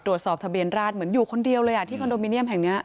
ตรวจสอบทะเบียนราชเหมือนอยู่คนเดียวเลยอ่ะที่คอนโดมิเนียมแห่งนี้